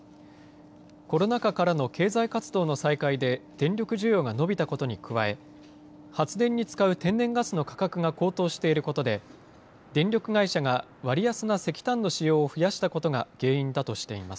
コロナ禍からの経済活動の再開で、電力需要が伸びたことに加え、発電に使う天然ガスの価格が高騰していることで、電力会社が割安な石炭の使用を増やしたことが原因だとしています。